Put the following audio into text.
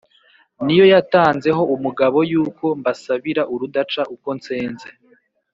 ni yo ntanze ho umugabo yuko mbasabira urudaca uko nsenze